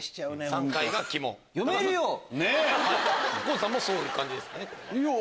地さんもそういう感じですか？